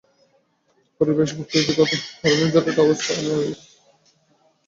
পরিবেশ ও প্রকৃতিগত কারণে ঝড়ের আওয়াজ অনেক নারীর একযোগে চিৎকারের মত শোনা যায়।